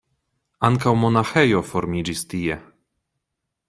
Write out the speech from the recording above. Ankaŭ monaĥejo formiĝis tie.